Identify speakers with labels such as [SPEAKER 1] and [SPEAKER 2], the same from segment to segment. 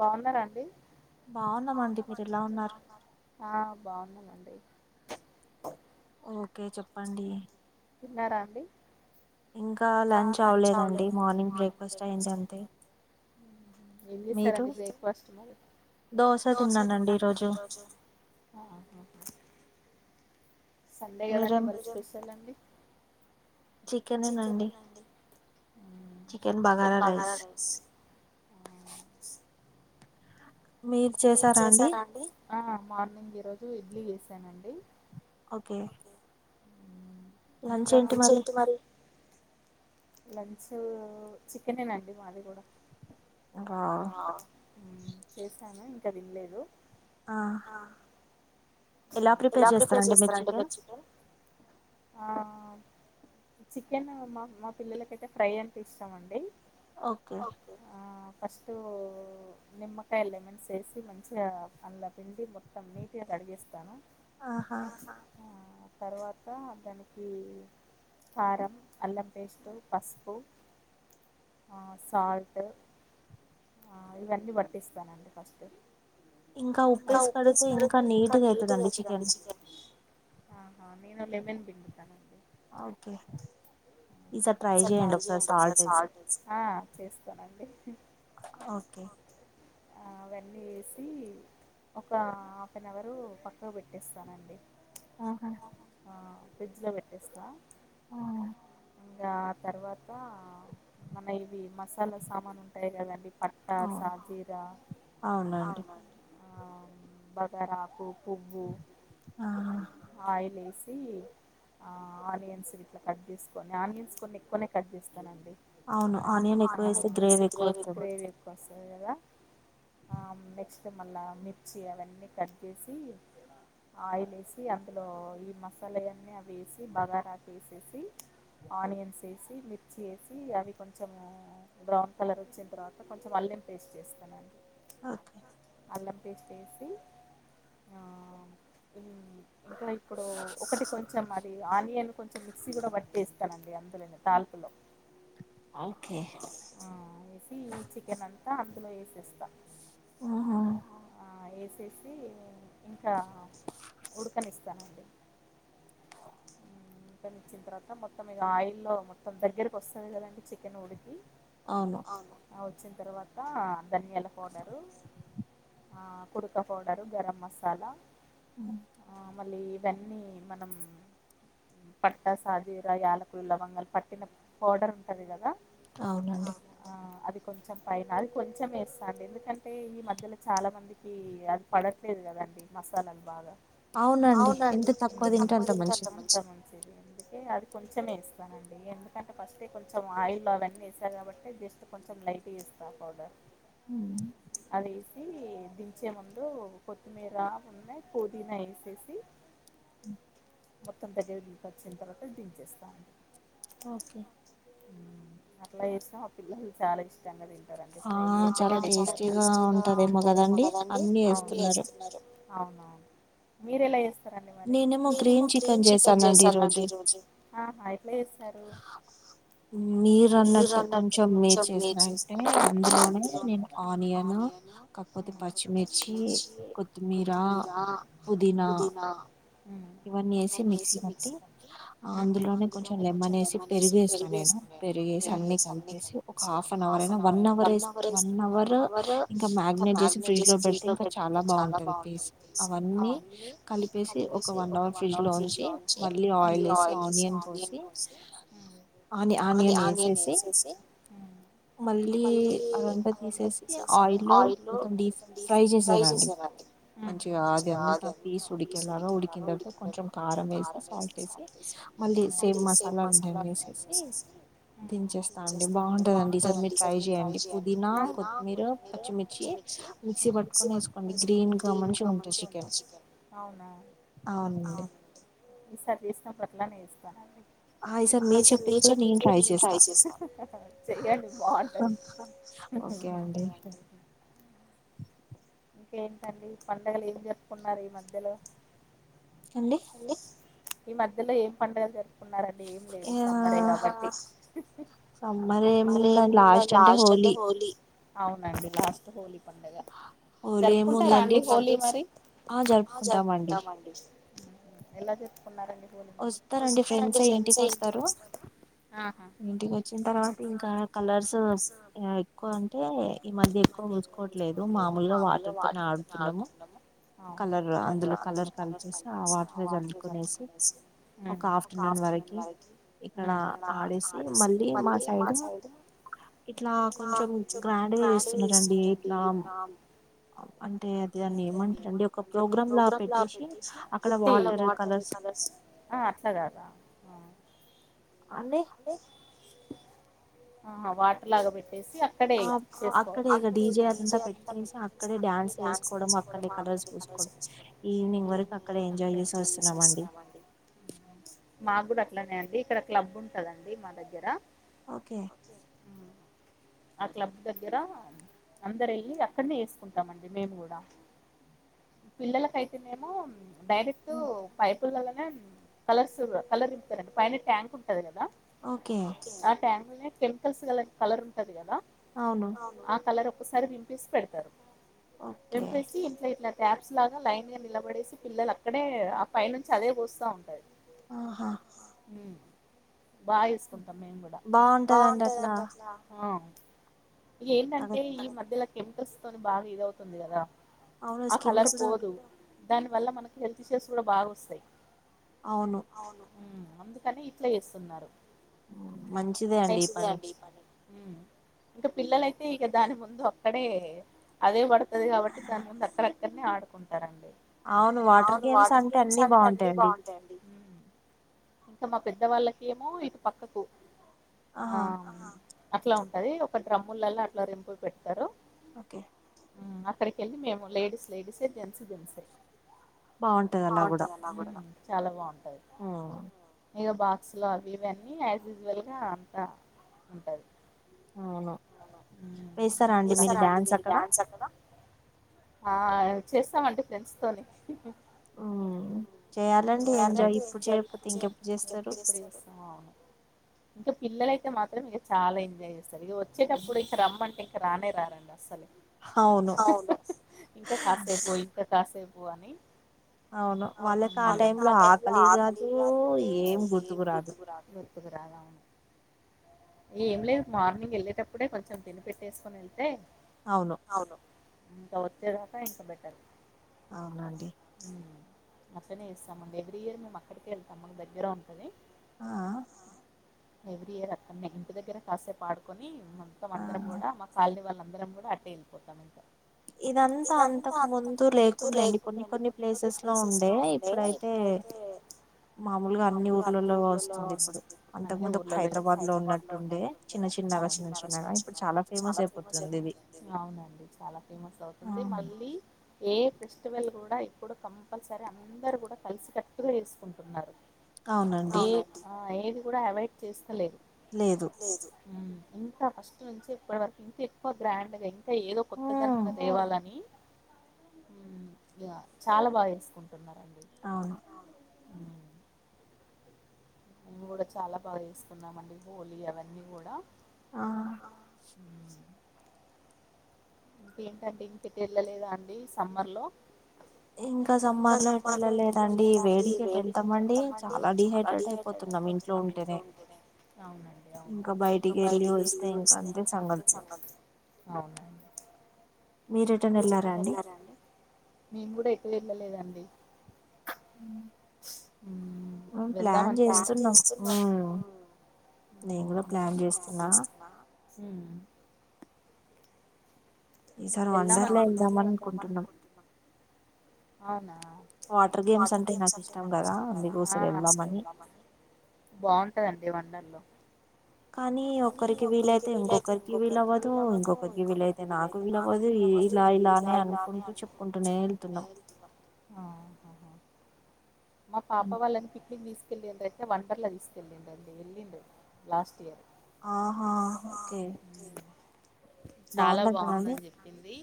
[SPEAKER 1] బావున్నారాండి ఆ బాగున్నారా
[SPEAKER 2] ఓకే చెప్పండి
[SPEAKER 1] తిన్నారా అండి
[SPEAKER 2] ఇంకా లంచ్ అవ్వలేదండి మార్నింగ్ బ్రేక్ఫాస్ట్ అయింది అంతే
[SPEAKER 1] ఏం చేశరండి బ్రేక్ఫాస్ట్ మరి
[SPEAKER 2] దోస తిన్నానండి ఈరోజు
[SPEAKER 1] సండే కదండి మరి స్పెషలండి చికెనేనండి చికెన్ బగరా రైస్ ఆవు మీరు చేసారాండి ఆ మార్నింగ్ ఈరోోజు ఇడ్లీ చేసానండి
[SPEAKER 2] ఓకే
[SPEAKER 1] అ చెంటి మరి లంచ్ చికెనేనాండి మాది కూడా ఆ చేసాను ఇంకా తినలేదు
[SPEAKER 2] ఆ
[SPEAKER 1] ఎలా ప్రిపేర్ చేస్తారండి మీరు చికెన్ ఆ చికెన్ మా మా పిల్లలకైతే ఫ్రై అంటే ఇష్టాం అండి
[SPEAKER 2] ఓకే
[SPEAKER 1] ఫస్టు నిమ్మకాయలేమన్స్ వేసి మంచిగా అందుల పిండి మొత్తం నీటిగా కడిగేస్
[SPEAKER 2] ఆహా
[SPEAKER 1] తర్వాత దానికి కారం అల్లం పేస్ట్ పసుపు ఆ సాల్ట్ ఇవన్నీ వట్టిస్తానండి ఫస్ట్ ఇంకా ఉప్పేసి కడిగితె ఇంకా నీట్ టిగా అయితదండి చికెన్ అహా నేను లెమన్ పిండుతానండి
[SPEAKER 2] ఓకే
[SPEAKER 1] ఈసారి ట్రై చేయండి ఒకసారి సాల్ట్ వేసి అ చేస్తానండి
[SPEAKER 2] ఓకే
[SPEAKER 1] ఆ అవన్నీ వేసి ఒక హాఫ్ అన్ అవర్ పక్కకు పెట్టటిస్తానండి
[SPEAKER 2] ఆహా
[SPEAKER 1] అ ఫ్రిడ్జ్ లో పెట్టేస్తా
[SPEAKER 2] ఆ
[SPEAKER 1] ఆ తర్వాత మన ఇవి మసాలా సామన్లు ఉంటాయి కదండి పట్టా సాజీరా ఆ బగరాకు పువ్వు ఆయిలేస్ సి యన్స్ ఇట్ల కట్ చేసుకొని ఆనియన్స్ కొన్ని ఎక్కువనే కట్ చేస్ స్తనండి ఆ గ్రేవి కోసం ఆ నెక్స్ట్ మళ్ళా మిర్చి అవన్నీ కట్ చేసి ఆయిల్ వేసి అందులో ఈ మసాలాయన్ని అవేసి బగరాకేసేసి ఆనియన్ ఏసేసి మిర్చి వేసి అవి కొంచెం బ్రౌన్ కలర్ వచ్చిన తర్వాత కొంచెం అల్లం పేస్ట్ వేస్
[SPEAKER 2] ఓకే
[SPEAKER 1] అల్లం పేస్ట్ వేసి ఆ ఇంకా ఇప్పుడు ఒకటి కొంచెం అది ఆనియన్ కొంచెం మిక్సీ కూడా పట్టేస్తానండి అం అందులో తాల్పులో
[SPEAKER 2] ఓకే
[SPEAKER 1] క అందులో వేసేస్తా
[SPEAKER 2] ఆహా
[SPEAKER 1] ఆ వేసేసి ఇంకా ఉడకనిస్తానండి ఉడుకనిచ్చిన తర్వాత మొత్తం ఇగ ఆయిల్ లో మొత్తం దగ్గరకి వస్తది కదండి చికెన్ ఉడికి
[SPEAKER 2] అవును
[SPEAKER 1] వచ్చిన తర్వాత దనియలా పోడరు ఆ కుడుక పౌడరు గరం మసాలా
[SPEAKER 2] ఆ
[SPEAKER 1] మళ్ళి ఇవన్నీ మనం పట్టా సాజీరాయాల లవంగం పొడర్ ఉంటది కదా ఆ అది కొంచెం పైన అది కొంచెం వేస్తాండి ఎందుకంటే ఈ మధ్యలో చాలా మందికి అది పడట్లేదు కదా మసాలాలు బాగా అవునండి ఇది ఎంత తక్కువ తింటే అంత మంచిది అందుకే అది కొంచెం కొంచెం వేస్తానండి ఎందుకంటే ఫస్టే కొంచెం ఆయిల్లో అవన్నీ వేస్తారు కాబట్టి జస్ట్ కొంచెం లైట్గా వేస్తాను పౌడర్ ఆదేస్ ని దించే ముందు కొత్తిమీర ఉన్నె పదీనా వేసేసి మొత్తం దగ్గకి వచ్చిన తర్వాత దించేస్
[SPEAKER 2] ఓకే
[SPEAKER 1] అట్లా చేస్తాం ఆ పిల్లల చాలా ఇష్టం తీం చాలా టేస్టీగా ఉంటదేమో కదండి అన్ని వేస్తున్నారు అవునవును మీరు ఎలా చేస్తారండి మరి నేనేమో గ్రీన్ చికెన్ చేసానండి ఈ రోజు ఆహా ఎట్లా చేస్తారు మీరు అన్నట్టే కొంచెం నేను చేస్తాను అందులోనే అనియన్ పచ్చిమిర్చి కొత్తిమీరా పుదినా
[SPEAKER 2] ఇవన్ని వేసి మిక్సీ పట్టి అందులోనే కొంచెం ెమ్మనేసి పెరుగేస్తాను నేను పెరుగేసి అన్ని కలిపేసి ఒక half an hour one hour one hour ఇంకా మ్యారినేట్ చేసి ఫ్రిడ్జ్ లో పెడితే ఇంకా చాలా బాగుంటది అవన్నీ కలిపేసి ఒక వన్ అవర్ ఫ్రిడ్జ్ లో ఉంచి మళ్ళీ ఆయిల్ వేసి ఆనియన్ కోసి ఆనియన్ వేసేసి మళ్ళీ అదంతా తీసేసి ఆయిల్లో మొత్తం డీప్ ఫ్రై చేసేయలండి మంచిగా అది అంతా పీస్ ఉడికేలాగా ఉడి కిన తరువాత కొంచెం కారం వేసి సాల్ట్ వేసి మళ్ళీ సేమ్ మసాలాలు అన్ని వేసేసి దించేస్తా అండి బాగుంటదండి ఈ సారి మీరు ట్రై చేయ్యడి పుదీనా కొత్తిమీర పచ్చిమిర్చి
[SPEAKER 1] చి మిక్సీ పట్టుకొని వేసుకోండి గ్రిన్ గ మంచిగా ఉంటది చికెన్ అవునా
[SPEAKER 2] అవునండి
[SPEAKER 1] ఈసారి చేసినప్పుడు అట్లనే చేస్తానండి అ ఈ సారి మీరు చెప్పింది కూడా నేను ట్రై చేస్త అండి చెయ్యండి బాగుంటది
[SPEAKER 2] ఓకే అండి
[SPEAKER 1] ఇంకేంటండి పండగలు ఏం చెప్పుకున్నారు ఈ మధ్యలో
[SPEAKER 2] అండి
[SPEAKER 1] ఈ మధ్యలో ఏం పండుగలు జరుపుకున్నరండి ఏం లేదు సమ్మరే కాబట్టి సమ్మరే లాస్ట్ అంటే హోలీ అవునండి లాస్ట్ హోలీ పండగ జరుపుకుంటారా అండి హోలీ మరి ఆ జరుపుకుంటామండి ఎలా జప్పుకున్నారండి
[SPEAKER 2] ఓస్తారండి ఫ్రెండ్సే ఇంటికోస్తారు ఇంటికోచ్చిన తర్వాత ఇంకా కలర్స్ ఎక్కువ అంటే ఈ మధ్య ఎక్కువ చూసుకోట్లేదు మా ముల్గా వాటర్ తోనే ఆడుతున్నాము కలర్ అందులో కలర్ కలిపేసి ఆ వాటరె జల్ కునేసి
[SPEAKER 1] వస్లు
[SPEAKER 2] ఒక ఆఫ్టర్నూన్ వరకి ఇక్కడ ఆడేసి మళ్ళీ మా సైడు ఇట్లా కొంచెం గ్రాండ్గా చేస్తున్నారండి ఇట్లా అంటే అది అన్ని ఏమంటారండి ఒక ప్రోగ్రామ్ లాగ పెట్టేసి అక్కడ వాటర్ కలర్స్
[SPEAKER 1] ఆ అట్ల గాదా
[SPEAKER 2] అన్ని
[SPEAKER 1] ఆ వాటర్ లాగా పెట్టేసి అక్కడే ఇగ చేసుకోవచ్చు అక్కడే డ్యాన్స్ నేర్సుకోవడం [inaudible] ఈవినింగ్ వరకు అక్కడ ఎంజాయ్ సుస్తున్నామండి మాకు కూడా అట్లనే అండి ఇక్కడ క్లబ్ ఉంటదండి మా దగ్గర
[SPEAKER 2] ఓకే
[SPEAKER 1] ఆ క్లబ్ దగ్గర అందర్ ఎల్లి అ ఇక్కన్నే ఎసుకుంటామండి మేము గుడా పిల్లలకైతేనేమో డైరెక్ట్ పైపుళ్ళల్లనే కలర్స్ కలర్రింపుతారండి పైన ట్యాంక్ ఉంటది కదా ఆ ట్యాంక్ల్నే కెమికల్స్ గలనీ కలర్ ఉంటది కదా ఆ కలర్ ఒక్కసారి రింపేసి పెడతారు రింపేసి ఇంట్ల ఇట్లా ట్యాప్స్ లాగా లైన్ గా నిలబడేసి పిల్లల్ అక్కడే ఆ పై నుంచి అదే పోస్తా ఉంటాది
[SPEAKER 2] ఆహా
[SPEAKER 1] ఉమ్ బాగా చేసుకుంటాం మేము కూడా బాగుంటాదండి అట్లా ఇగేంటంటే ఈ మధ్యల కేమికల్స్ తోని బాగా ఇదైతుంది గదా ఆ కలర్ పోదు దాని వల్ల మనకి హెల్త్ ఇష్యూస్ కూడా బాగొస్తాయ్
[SPEAKER 2] అవును
[SPEAKER 1] ఉమ్ అందుకని ఇట్లా చేస్తున్నారు ఇంకా పిల్లలైతే ఇగ దాని ముందు అక్కడే అదే పడుతది కాబట్టి దాని ముందు అక్కడక్కన్నే ఆడుకుంటారండి అవును వాటర్ గేమ్స్ అంటే అన్నీ బాగుంటాయండి ఇంకా మా పెద్ద వాళ్ళకెమో ఇటు పక్కకు ఆ అట్లా ఉంటది ఒక డ్రమ్ములల్లా అట్లా రెంపు పెడతారు
[SPEAKER 2] కే
[SPEAKER 1] అక్కడికెళ్ళి మేము లేడీస్ లేడీసే జెంట్స్ జెంట్సే చాలా బాగుం ఏదో బాక్స్ లో అవి ఇవన్నీ యాజ్యూజువల్ గా అంతా ఉంటది చేస్తారా అండి మీరు డ్యాన్స్ అక్కడ ఆ చేస్తామండి ఫ్రెండ్స్ తోని చేయాలంటే ఎం జేయాలి ఇంకా పిల్లలైతే మాత్రం ఇంక చాలా ఎంజాయ్ చేస్తారు ఇగ వచ్చేటప్పుడు ఇక రమ్మంటే ఇంక రానే రారండి అస్సలే ఇంకా కాసేపు ఇంకా కాసేపో అని
[SPEAKER 2] అవును వాళ్ళె
[SPEAKER 1] వాళ్ళక ఆ టైం లో ఆకలి కాదు ఏం గుర్తుకు రాదు ఏం లేదు మార్నింగ్ వెళ్ళేటప్పుడే కొంచెం తిని పెెట్టేసుకొని ఎళ్తే అవును ఇంకా ఒచ్చేదాకా ఇంకా బెటర్
[SPEAKER 2] అవునండి
[SPEAKER 1] అట్లనే ఎస్తామండి ఎవ్రీ ఇయర్ మేము అక్కడికె వెళ్తాం దగ్గరే ఉంటది
[SPEAKER 2] ఆ
[SPEAKER 1] ఎవ్రీ ఇయర్ అక్కన్నే ఇంటి దగ్గర కాసేపు ఆడుకొని మొత్తం అందరం కూడా మా కాలనీ వాల్ అందరం కూడా అట్టే వెళ్ళిపోతం ఇంక ఇదంతా అంతకు ముందు లేకుండడండి కొన్ని కొన్ని ప్లేసెస్ లో ఉండే ఇప్పుడైతే మామూలుగా అన్ని ఊర్లలో వస్తుంది అన్ని ఊర్లలో హైదరాబాద్ లో ఉన్నట్టు అవును అవునండి చాలా ఫేమస్ అవుతుంది మళ్ళీ ఏ ఫెస్టివల్ కూడా ఇప్పుడు కంపల్ అందరు కూడా కలిసి కట్టుగా ఏసుకుంటున్నారు కూడా అవాయిడ్ చేస్తలేదు
[SPEAKER 2] లేదు
[SPEAKER 1] ఇంకా ఫస్ట్ నుంచి ఇప్పటి వరకు ఇంకా ఎక్కువ గ్రాండ్ గా ఇంకా ఏదో కొత్త తనంగా తేవాలని చాలా బాగా చేసుకుంటున్నారు
[SPEAKER 2] అవును
[SPEAKER 1] ఉ మేము కూడా చాలా బాగా చేసుకున్నామండి హోలీ అవన్నీ కూడా
[SPEAKER 2] ఆ
[SPEAKER 1] ఇంకేంటండి ఇంకేటు ఎళ్ళలేదా అండి సమ్మర్ లో ఇంకా సమ్మార్లో ఎటు వెళ్ళలేదండి వేడికి ఎటెళ్తామండి ఆ డిహైడ్రేట్ అయిపోతున్నాం ఇంట్లో ఉంటేనే అవునండి అవును ఇంకా బయటికి వెళ్ళి వస్తే ఇంక అంతే అవునండి మేము కూడా ఎటు వెళ్ళలేదండి వెళ్దామని ప్లాన్ చేస్తున్నా నేను ప్లాన్ చేస్తున్నా
[SPEAKER 2] ఈసారి వండర్ ల్యాండ్ వెళ్దామననుకుంటున్నాం
[SPEAKER 1] అవునా వాటర్ గేమ్స్ అంటే బాగా ఇష్టం కదా ఒకసారి వెళ్దామనుకుంటున్నాం బాగుంటదండి వండర్ల్లో
[SPEAKER 2] కానీ ఒక్కరికి వీలైతే ఇంకొకరికి వీలవ్వదు ఇంకొకరికి వీలైతే నాకు వీలవ్వదు ఇలా ఇలా అనే అనుకుంటూ చెప్పుకుంటూనే వెళ్తున్నాం
[SPEAKER 1] మా పాప వాళ్ళని పిక్నిక్ తీస్ కెళ్ళి అందురయితే వండర్లా తీసుకెళ్ళిండి అ వెళ్ళిండి లాస్ట్ ఇయర్
[SPEAKER 2] ఆహా ఓకే
[SPEAKER 1] చాలా బాగుందని చెప్పింది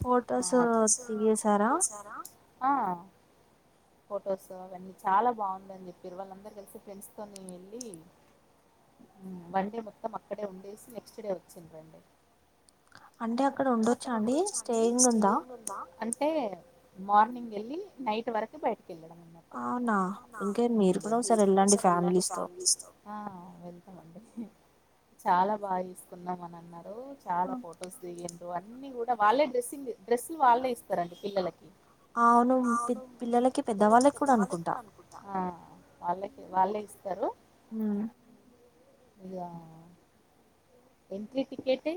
[SPEAKER 2] ఫొటోస్ దిగేశారా
[SPEAKER 1] ఫొటోస్ అవన్నీ చాలా బాగుందని చెప్పారు వాళ్ళందరు కలిసి ఫ్రెండ్స్ తోని వెళ్ళి వన్ డే మొత్తం అక్కడే ఉండేసి నెక్స్ట్ డే వచ్చిందండి
[SPEAKER 2] అంటే అక్కడ ఉండొచ్చా అండి స్టేయింగ్
[SPEAKER 1] అంటే మార్నింగ్ వెళ్ళి నైట్ వరకు బయటికి వెళ్ళడం అన్నట్టు అవునా ఐతే మీరు కూడా ఒకసారి వెళ్ళండి ఫ్యామిలీస్ తో చాలా బాగా తీసుకున్నాం అని అన్నారు చాలా ఫొటోస్ దిగిన్ సో అన్నీ కూడా వాళ్ళే డ్రెస్సింగ్ డ్రెస్లు వాళ్ళే ఇస్తారండి పిల్లలకి అవును పిల్లలకి పెద్ద వాళ్ళకి కూడా అనుకుంటా
[SPEAKER 2] అ
[SPEAKER 1] అయ్యాో ఎంట్రీ టికెటే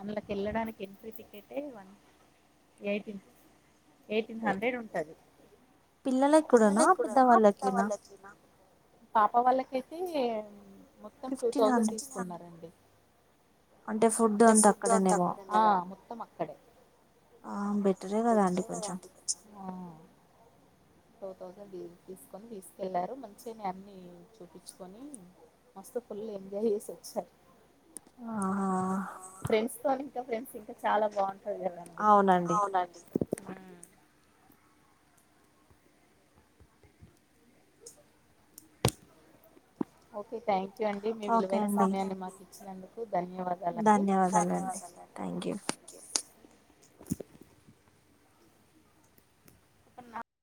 [SPEAKER 1] అందులోకి వెళ్ళడానికి ఎంట్రీ టికెటే వన్ ఎయిటిన్ ఎయిటీన్ హండ్రెడ్ ఉంటది పిల్లల కూడానా పెద్దవాళ్ళకేనా పాప వాళ్ళకయితే మొత్తం టూ థౌజండ్ తీసుకున్నారండి అ మొత్తం అక్కడే ఆ బేటరే కదండీ కొంచెం మ్ టూ థౌసండ్ తీసుకొని తీసుకెళ్లారు మంచిగాని అన్ని చూపిచ్ చుకొని మస్తు ఫుల్ ఎంజాయ్ చేసి వచ్చారు ఆ ఫ్రెండ్స్ తో ఇంకా ఫ్రెండ్స్ ఇంకా చాలా బాగుం ండి అవునండి ఓకే థ్యాంక్ యూ అండి మీ విలువైన సమయాన్ని మాకు ఇచ్చినందుకు ధన్యవాదాలండి ధన్యవాదాలండి న్నా